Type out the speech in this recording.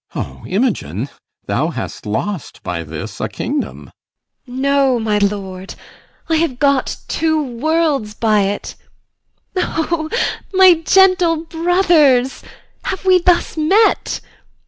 O Imogen, Thou hast lost by this a kingdom. IMOGEN. No, my lord; I have got two worlds by't. O my gentle brothers, Have we thus met?